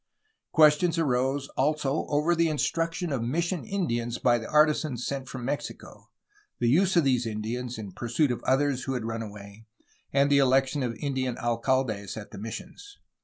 Questions arose also over the instruction of mission Indians by the artisans sent from Mexico, the use of these Indians in pursuit of others who had run away, and the election of Indian alcaldes at the missions.